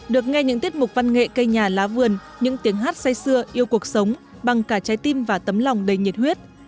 được nghe những tiết mục văn nghệ cây nhà lá vườn những tiếng hát say xưa yêu cuộc sống bằng cả trái tim và tấm lòng đầy nhiệt huyết